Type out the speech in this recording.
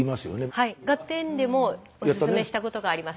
はい「ガッテン！」でもおすすめしたことがあります。